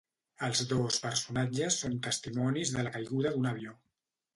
Els dos personatges són testimonis de la caiguda d'un avió.